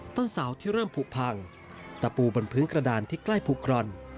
ต้นเสาที่เริ่มผูกพังตะปูบนพื้นกระดานที่ใกล้ภูครอน